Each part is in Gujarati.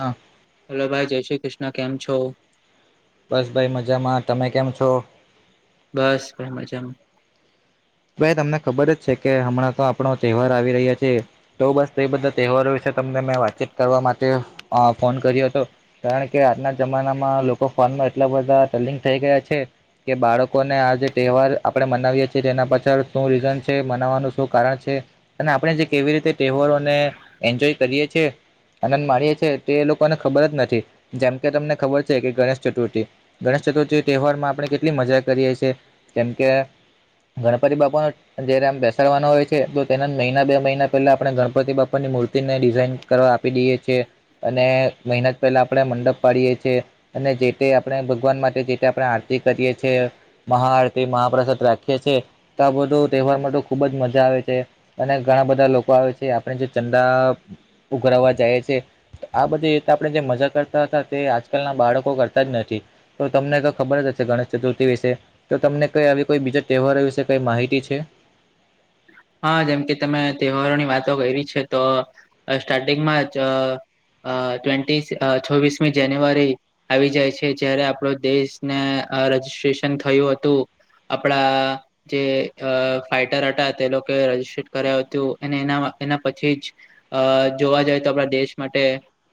હા. હેલો ભાઈ જય શ્રી કૃષ્ણ કેમ છો? બસ ભાઈ મજામાં તમે કેમ છો? બસ બે મજામાં. ભાઈ તમને ખબર જ છે કે હમણાં તો આપણો તહેવાર આવી રહ્યા છે. તો બસ એ બધા તહેવારો વિશે તમને મેં વાતચીત કરવા માટે અ ફોન કર્યો હતો. કારણ કે આજના જમાનામાં લોકો ફોનમાં એટલા બધા ટલિંગ થઈ ગયા છે. કે બાળકોને આ જે તહેવાર આપડે મનાવીએ છીએ તેના પછી સર શું રીઝન છે મનાવવાનું શું કારણ છે. અને આપણે જે કેવી રીતે તહેવારોને એન્જોય કરીએ છે. આનંદ મારીએે છે તે એ લોકોને ખબર જ નથી જેમ કે તમને ખબર છે કે ગણેશ ચતુર્થી ગણેશ ચતુર્થી તહેવાર માં આપણે કેટલી મજા કરીએ છીએ કેમ કે [unintelligible] બાપનો જયારે આમ બેસાડવાના હોય છે તો તેના જ મહિના બે મહિના પહેલા આપણે ગણપતિ બાપા ની મૂર્તિને ડિઝાઇન કરવા આપી દઈએ છીએ અને મહેનત પહેલા આપણે મંડપ પાડીએ છીએ. અને જે તે આપણે ભગવાન માટે જે આપણે આરતી કરીએ છે. મહાઆરતી મહાપ્રસાદ રાખીએ છીએ તો બધું તહેવારમાં તો ખુબ જ મજા આવે છે. અને ઘણા બધા લોકો આવે છે આપણે જે ચંદા ઉઘરાવા જાય છે. આ બધી એ તો આપણે જે મજા કરતા હતા તે આજકાલના બાળકો કરતા જ નથી. તો તમને કઈ ખબર જ હશે ગણેશ ચતુર્થી વિશે તો તમને કઈ આવી કોઈ બીજા તહેવારો વિશે કઈ માહિતી છે. હા જેમ કે તમે તહેવારોની વાતો કરી છે તો સ્ટાર્ટિંગમાં જ ટ્વેન્ટી છોવીસમી જાન્યુઆરી આવી જાય છે જયારે આપણો દેશને રજીિસ્ટ્રેશન થયું હતું. આપણા જે અ ફાઈટર તે લોકો રજીસ્ટ કરાય હતું અને એ એના પછી જ અ જોવા જઈએ તો આપણા દેશ માટે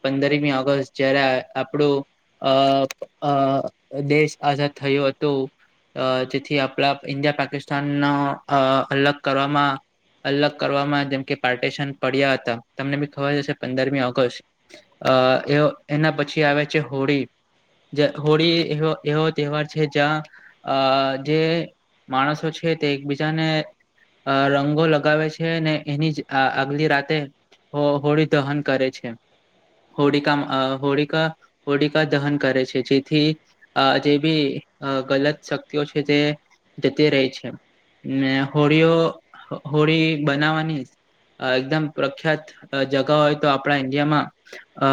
પંદરમી ઓગસ્ટ જયારે આપણું અ આ દેશ આઝાદ થયો હતો અ જેથી આપણા ઇન્ડિયા પાકિસ્તાનનો અલગ કરવામાં અલગ કરવામાં જેમકે પાર્ટિશન પડ્યા હતા તમને બી ખબર જશે પંદરમી ઓગસ્ટ અ એ એના પછી આવે છે હોળી હોળી એવો તહેવાર છે જ્યાં આ જે માણસો છે તે એકબીજાને અ રંગો લગાવે છે ને એની જ આગલી રાતે હો હોળી દહન કરે છે. હોળીકા હોળીકા હોળીકા દહન કરે છે જેથી આ જે બી ગલત શક્તિઓ છે તે જતી રહી છે. ને હોળીઓ હોળી બનાવાની એકદમ પ્રખ્યાત જગા હોય તો આપણા ઈન્ડિયામાં અ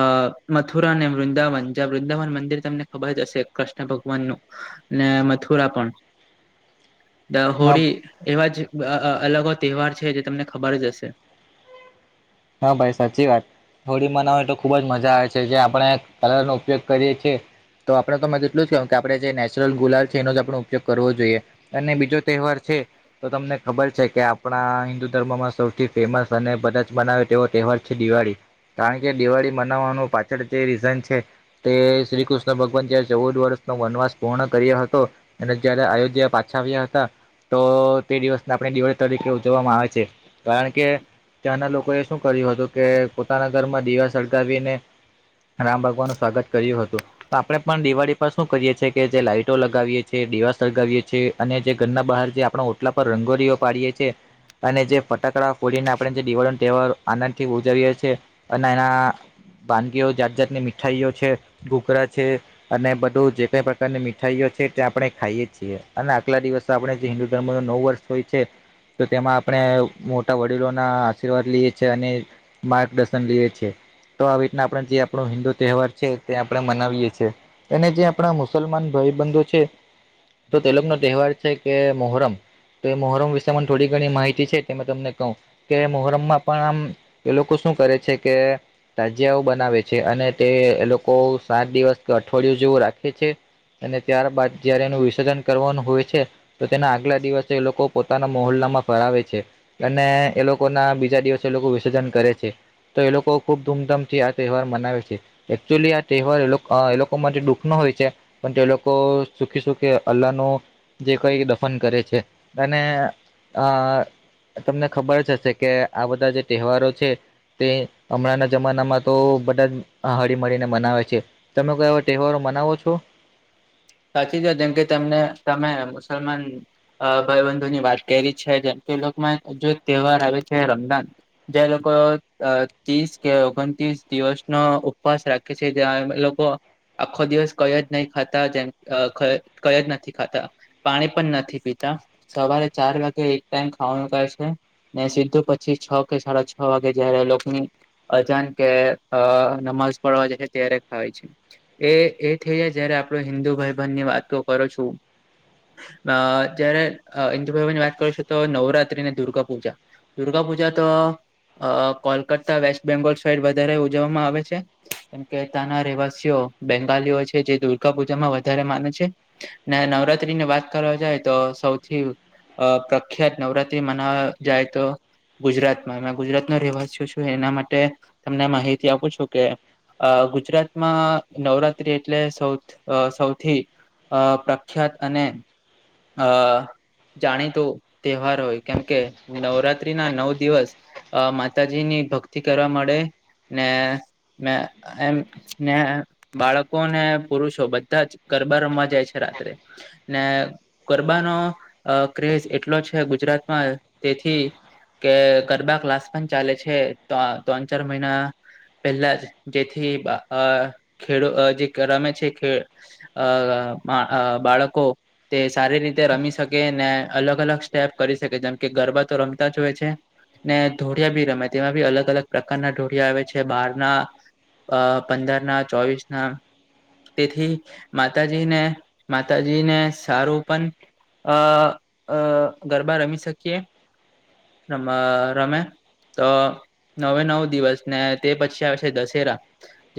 મથુરા અને વૃંદાવન જ્યાં વૃંદાવન મંદિર તમને ખબર જ હશે કૃષ્ણ ભગવાન નું ને મથુરા પણ. ધ હા હોળી એવા જ અલગ તહેવાર છે જે તમને ખબર જ હશે. હા ભાઈ સાચી વાત. હોળી મનાવે તો ખુબ જ મજા આવે છે જે આપણે કલર નો ઉપયોગ કરીએ છીએ. તો આપણે તો મને એટલું જ ક કે આપણે જે નેચરલ ગુલાલ છે એનો જ આપો ઉપયોગ કરવો જોઈએ. અને બીજો તહેવાર છે. તો તમને ખબર છે કે આપણા હિન્દુ ધર્મમાં સૌથી ફેમસ અને બધા જ બનાવે, તેવો તહેવાર છે દિવાળી કારણ કે દિવાળી મનાવવાનું પાછળ જે રીઝન છે, તે શ્રી કૃષ્ણ ભગવાન જ્યારે ચૌદ વર્ષનો વનવાસ પૂર્ણ કર્યો હતો, અને જયારે અયોધ્યા પાછા આવ્યા હતા. તો તે દિવસને આપણી દિવાળી તરીકે ઉજવવામાં આવે છે કારણ કે ત્યાંના લોકોએ, શું કર્યું હતું કે પોતાના ઘરમાં દીવા સળગાવીને, રામ ભગવાનનું સ્વાગત કર્યું હતું. તો આપડે પણ દિવાળી પર શું કરીએ છીએ કે જે, લાાઈટો લગાવીએ છીએ દવાસ લગાવીએ છીએ, અને જે ઘરના બહાર જે આપણે ઓટલા પર રંગોળીઓ પાડીએ છીએ, અને જે ફટાકડા ફોડીને આપણે જે દિવાળીનો તહેવાર, આનંદ થી ઉજવીએ છીએ અને એના, વાનગીઓ જાત જાતની મીઠાઈઓ છે ઘૂઘરા છે. અને બધું જે કઈ પ્રકારની મીઠાઈઓ છે તે આપણે ખાઈએે છીએ અને આગલા દિવસ આપણે હિન્દુ ધર્મ નું નવું વર્ષ, હોય છે તો તેમાં આપણે મોટા વડીલો ના આશીર્વાદ લઈએ છી છે અને માર્ગદર્શન લીએ છે. તો આવી રીતના આપણે જે આપણું હિન્દુ તહેવાર છે તે આપણે મનાવીયએ છીએ. અને જે આપણા મુસલમાન ભાઈબંધો છે, તો તેલોકોનો તહેવાર છે, કે મોહરમ, તો એ મોહરમ વિશે પણ થોડી ઘણી માહિતી છે તે મે તમને કહું કે મોહરમમાં, પણ આમ એ લોકો શું કરે છે કે, તાજિયાઓ બનાવે છે, અને તે એ લોકો સાત દિવસ કે અઠવાડિયું જેવું રાખે છે. અને ત્યારબાદ જયારે એનું વિસર્જન કરવાનું હોય છે, તો તેના આગલા દિવસે એ લોકો પોતાના મોલ્લામાં ફરાવે છે. અને એ લોકોના બીજા દિવસ, લોકો વિસર્જન કરે છે તો એ લોકો ખુબ ધૂમધામથી આ તહેવાર મનાવે છે. એકચુલી આ તહેવાર એ લોકો માટે દુઃખ નો હોય છે. પણ તે લોકો સુખી સુખી અલ્લાહ નો, જે કઈ દફન કરે છે અને આ તમને ખબર જ હશે કે આ બધા જે તહેવારો છે. તે હમણાંના જમાનામાં તો બધા જ હળી મળળીને બનાવે છે. તમે કોઈ એવા તહેવારો મનાવો છો? સાચી જો જેમકે તેમને તમે મુસલમાન, અ ભાઈબંધુ ની વાત કરી છે જેમ કે એલોકો માં જે તહેવાર આવે છે. રમઝાન, જે લોકો ત્રીસ કે ઓગણ તસ દિવસનો ઉપવાસ રાખ, કે જે લોકો આખો દિવસ કઈ જ નહી ખતા જેમ, અ કઈ જ નથી ખાતા. પાણી પણ નથી પીતા સવારે ચાર વાગે એક ટાઈમ ખાવાનું ખાય છે. ને સીધું પછી છ કે સાડા છ વાગે જય્યારે એ લોકની, અજાન કે અ નમાઝ પડવા જે છે, ત્યારે ખાય છે. એ એ થઈ જય્યારે આપણો હિન્દુ ભાઈબંધની વાતો કરો છું, અ જયારે હિન્દુ ભવ ની વાત કર છું તો નવરાત્રી ને દુર્ગા પૂજા, દુર્ગા પૂજા તો કોલકાતા વેસ્ટ બેંગોલ સાઈડ વધારે ઉજવવામાં આવે છે. કેમ કે ત્યાંના રહેવાસીઓ બેંગાલીઓ છે જે દુર્ગા પૂજામાં વધારે માને છે. ના નવરાત્રી ની વાત કરવા જાય તો સૌથી અ પ્રખ્યાત નવરાત્રિ મનાવા જાય તો ગુજરાતમાં ગુજરાતનો [unintelligible] છું એના માટે તમને માહિતી આપું છું કે અ ગુજરાતમાં નવરાત્રી એટલે [unintelligible] થી અ પ્રખ્યાત અને અ જાણીતું તેવાર હોય કેમકે નવરાત્રી ના નવ દિવસ અ માતાજી ની ભક્તિ કરવા મળે ને મે એમ ને બાળકો ને પુરુષો બધા જ ગરબા રમવા જાય છે રાત્રે ને ગરબાનો ક્રેઝ એટલો છે ગુજરાતમાં તેથી કે ગરબા ક્લાસ પન ચાલે છે ત્રણ ચાર મહિના પહેલા જ જેથી ખેડ જે રમે છે અ બાળકો તે સારી રીતે રમી શકે ને અલગ અલગ સ્ટેપ કરી શકે જેમ કે ગરબા તો રમતા જ હોય છે. ને ઢોળિયા બી રમે તેમાં બી અલગ અલગ પ્રકારના ઢોળિયા આવે છે બારના અ પંદર ના ચોવીસ ના તેથી માતાજી ને માતાજી ને સારું પન અ અ ગરબા રમી શકીએ રમ રમે તો નવે નવ દિવસ ને તે પછી આવે છે દશેરા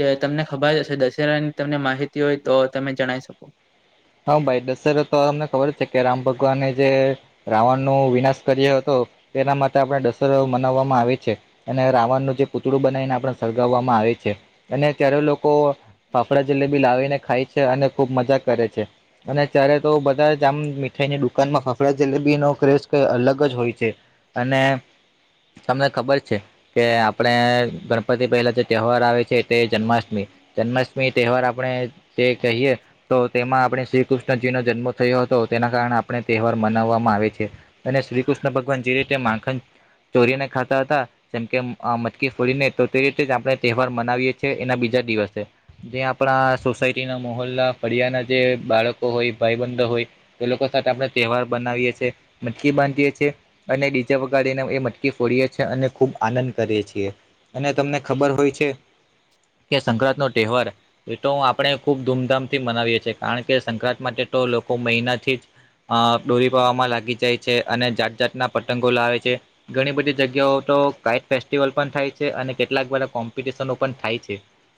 જે તમને ખબરશે દશેરાની તમને માહિતી હોય તો તમે જણાવી શકો હ ભાઈ દશેરો તો અમને ખબર છે કે રામ ભગવાનની જે રાવણ નો વિનાશ કરી્યો હતો તેના માટે આપણે દશેરો મનાવવામાં આવે છે. અને રાવણનું જે પૂતળું બનાવીને આપને સળગાવવામાં આવે છે અને ત્યારે લોકો ફાફડા જલેબી લાવીને ખાય છે અને ખુબ મજા કરે છે. અને ત્યારે તો બધા જ આમ મીઠાઈની દુકાનમાં ફાફડા જલેબીનો ક્રઝ કઈ અલગ જ હોય છે અને તમને ખબર છે કે આપણે ગણપતિ પહેલા જે તહેવાર આવે છે એ તે જન્માષ્ટમી જન્માષ્ટમી તેવાર આપણે જે કહીયએ તો તેમાં આપણે શ્રી કૃષ્ણજીનો જન્મ થયો હતો તેના કારણે આપણે તેવાર મનાવવામાં આવે છે. અને શ્રી કૃષ્ણ ભગવાન જે રીતે માખન ચોરીને ખાતા હતા. જેમ કે મટકી ફોડીને તો તે રીતે જ આપણે તેવાર મનાવીએ છીએ એના બીજા દિવસે. જે આપણા સોસાયટી ના માહોલ ના ફળિયા ના જે બાળકો હોય ભાઈબંધો હોય એ લોકો સાથે આપણે તહેવાર બનાવીએ છીએ મટકી બાંધીએ છીએ અને ડી જે વગાડી ને એને એ મટકી ફોડીએ છી અને ખૂબ આનંદ કરીએ છીએ. અને તમને ખબર હોય છે કે સંક્રાંત નો તેવાર એ તો આપણે ખુબ ધૂમધામ થી મનાવીએ છીએ. કારણ કે સંક્રાંત માટે તો લોકો મહિનાથી જ અ દોરી પાવા માં લાગી જાય છે અને જાત જાતના પતંગો લાવે છે. ઘણી બધી જગ્યાઓ તો કાઈટ ફેસ્ટિવલ પન થાય છે અને કેટલાક બધા કોમ્પિટિશનો પન થાય છે.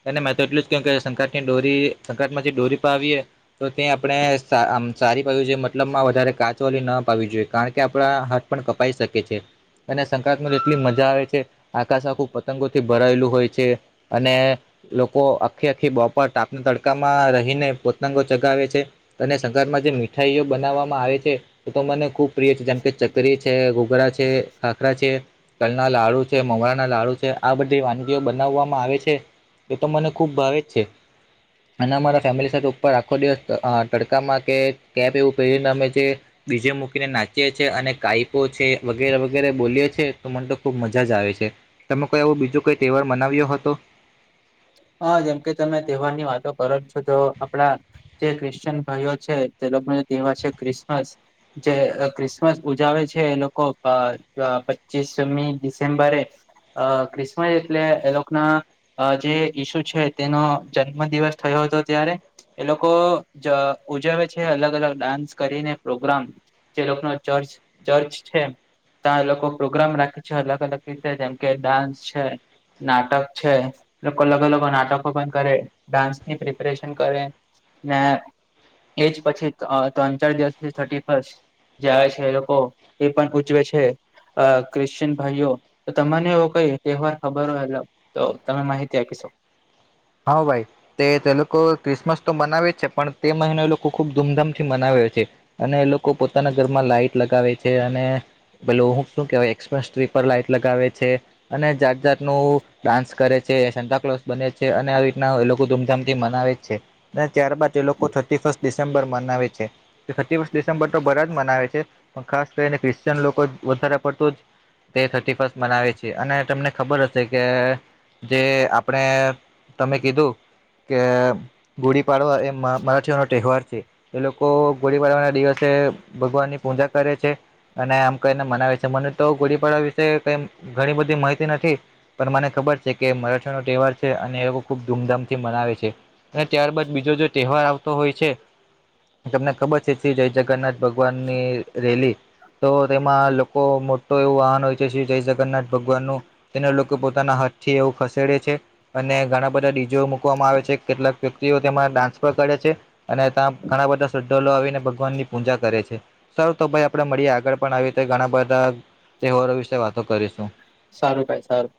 એને મેં તો એટલું જ કેમ કે સંક્રત ની જે દોરી સંક્રાંત માં જે દોરી પાવીએ તો તે આપણે આ સારી બાજુ જોઈએ મતલબમાં વધારે કાચવાલી ન પાવવી જોઈએ કારણ કે આપણા હાથ પણ કપાઈ શકે છે. અને સંક્રાંતમા એટલી મજા આવે છે આકાશ આખું પતંગોથી ભરાયેલું હોય છે. અને લોકો આખી આખી બપોર તાપના તડકામાં રહીને પો પતંગો ચગાવે છે અને સંક્રાંત માં જે મીઠાઈઓ બનાવવામાં આવે છે. તે તો મને ખુબ પ્રિય છે જેમ કે ચકરી છે ઘોઘરા છે ખાખરા છે. તલ ના લાડુ છે મમરા ના લાડુ છે આ બધી વાનગીઓ બનાવવામાં આવે છે. એ તો મને ખુબ ભાવે જ છે અને મારા ફેમિલી સાથે પર આખો દિવસ તડકામાં કે કેપ એવું પેરીને અમે જે ડી જે મૂકીને નાચીએ છીએ અને કાઈપો છે વગેરે વગેરે બોલી છીએ તો મને તો ખૂબ મજા જ આવે છે. તમે કોઈ આવો બીજો કોઈ તેવાર મનાવ્યો હતો? હા જેમકે તમે તેવાર ની વાતો કરો છો તો આપણા જે ક્રિશ્ચયન ભાઈઓ છે. તે લોકોનો તહેવાર છે ક્રિસમસ. જે ક્રિસમસ ઉજાવે છે એ લોકો પચીસ મી ડિસેમ્બરે. અ ક્રિસમસ એટલે એ લોકના જે ઈસુ છે તેનો જન્મ દિવસ થયો હતો ત્યારે એ લોકો જ ઉજવે છે અલગ અલગ ડાન્સ કરીને પ્રોગ્રામ જે લોકો ન ચર્ચ ચર્ચ છે. ત્યાં એ લોકો પ્રોગ્રામ રાખે છે અલગ અલગ રીતે જેમ કે ડાન્સ છે, નાટક છે. લોકો અલગ અલગ નાટકો પણ કરે ડાન્સ ની પ્રિપરેશન કરે ને એજ પછી ત્રણ ચાર દિવસથી થર્ટી ફસ્ટ જાય છે એ લોકો એ પણ પૂજવે છે. અ ક્રિશ્ચયન ભાઈઓ તો તમને એવો કોઈ તહેવાર ખબર હો તો તમે માહિતી ત્યાખીશો હા ભાઈ તે તે લોકો ક્રિસમસ તો મનાવે છે પણ તે મહિનો એ લોકો ખુબ ધૂમધામથી મનાવે છે. અને એ લોકો પોતાના ઘરમાં લાઈટ લગાવે છે અને પેલે હું શું કેવાય એક્સ મસ ટ્રી લાઈટ લગાવે છે. અને જાત જાત નું ડાન્સ કરે છે શેન્તાક્લોસ બને છે. છે અને આવી રીતના એ લોકો ધૂમધામથી મનાવે જ છે અને ત્યારબાદ એ લોકો થર્ટી ફર્સ્ટ ડિસેમ્બર મનાવે છે થર્ટી ફર્સ્ટ ડિસેમ્બર તો બધા જ મનાવે છે. પણ ખાસ કરીને ક્રિશ્ચયન લોકો વધારે પડતું જ તે થર્ટી ફસ્ટ મનાવે છે અને તમને ખબર હશે કે જે આપણે તમે કીધું કે ગોળી પાડવા એ મરાઠીઓનો તહેવાર છે. એ લોકો ગોળી પાડવાના દિવસે ભગવાનની પૂજા કરે છે. અને એમ કરીને મનાવે છે મને તો ગોળી પાડવા વિશે કઈ ઘણી બધી માહિતી નથી પણ મને ખબર છે કે મરાઠીઓનો તહેવાર છે. અને એ લોકો ખુબ ધૂમધામથી મનાવે છે. અને ત્યારબાદ બીજો જો તહેવાર આવતો હોય છે. તમને ખબર છે કે જય જગન્નાથ ભગવાન ની રેલી તો તેમાં લોકો મોટું એવું વાહન હોય છે શ્રી જય જગન્નાથ ભગવાનનું તેના લોકો પોતાના હાથ થી એવું ખસેડે છે. અને ઘણા બધા ડી. જેઓ મૂકવામાં આવે છે. કેટલાક વ્યક્તિઓ તેમાં ડાન્સ પણ કરે છે. અને ત્યાં ઘણા બધા શ્રદ્ધાળુ આવીને ભગવાનની પૂજા કરે છે. સારું તો ભાઈ આપણે મળીએ આગળ પણ આવી રીતે ઘણા બધા તહેવારો વિશે વાતો કરીશું. સારું ભાઈ સારું